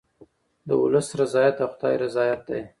د ولس رضایت د خدای رضایت دی.